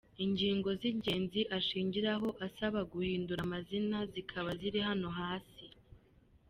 Ingingo z’ingenzi ashingiraho asaba guhindura amazina zikaba ziri hano hasi:.